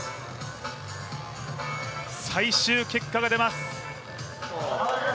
最終結果が出ます。